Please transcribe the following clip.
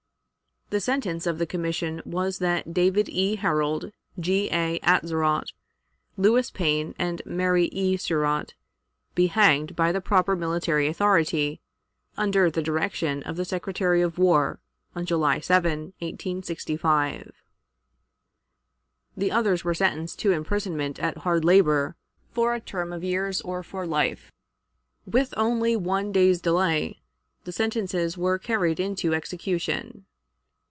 The sentence of the commission was that David E. Harold, G. A. Atzerott, Lewis Payne, and Mary E. Surratt, be hanged by the proper military authority, under the direction of the Secretary of War, on July 7, 1865. The others were sentenced to imprisonment at hard labor for a term of years or for life. With only one day's delay, the sentences were carried into execution.